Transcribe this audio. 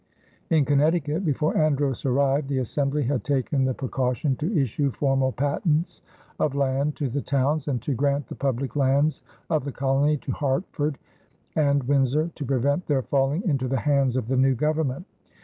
In Connecticut, before Andros arrived, the assembly had taken the precaution to issue formal patents of land to the towns and to grant the public lands of the colony to Hartford and Windsor to prevent their falling into the hands of the new Government.